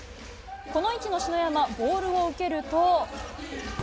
この位置の篠山、ボールを受けると。